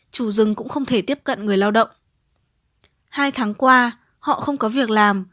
chủ rừng cũng không thể tiếp cận người lao động hai tháng qua họ không có việc làm